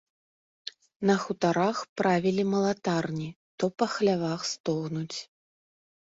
На хутарах правілі малатарні, то па хлявах стогнуць.